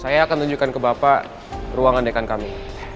saya akan tunjukkan ke bapak ruangan dekan kami